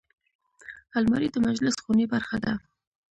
الماري د مجلس خونې برخه ده